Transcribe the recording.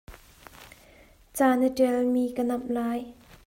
Ca na ṭialmi ka namh lai.